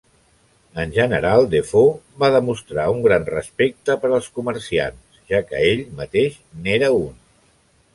En general, Defoe va demostrar un gran respecte per als comerciants, ja que ell mateix n'era un.